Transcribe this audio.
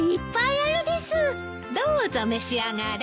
どうぞ召し上がれ。